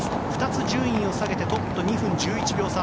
２つ順位を下げてトップと２分１１秒差。